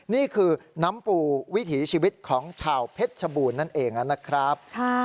นี่คือน้ำปูวิถีชีวิตของชาวเพชรชบูรณ์นั่นเองนะครับ